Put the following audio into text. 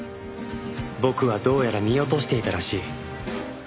僕はどうやら見落としていたらしい